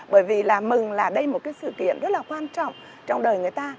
bởi vì là mừng là đây là một sự kiện rất là quan trọng trong đời người ta